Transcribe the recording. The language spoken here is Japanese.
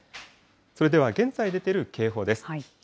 それでは現在出ている警報です。